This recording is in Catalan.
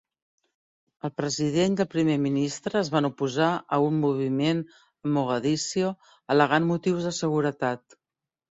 El president i el primer ministre es van oposar a un moviment a Mogadiscio, al·legant motius de seguretat.